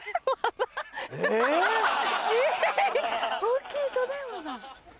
大きい糸電話だ。